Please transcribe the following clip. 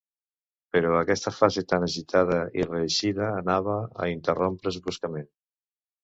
Però aquesta fase tan agitada i reeixida anava a interrompre's bruscament.